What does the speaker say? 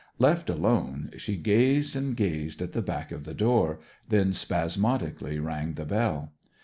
Left alone she gazed and gazed at the back of the door, then spasmodically rang the bell.